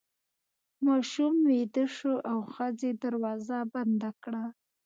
ماشوم ویده شو او ښځې دروازه بنده کړه.